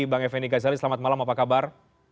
bang effendi ghazali selamat malam apa kabar